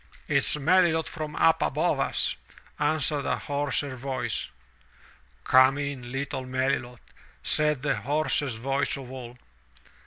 "It's MeUlot, from up above us," answered a hoarser voice. "Come in, little Melilot," said the hoarsest voice of all.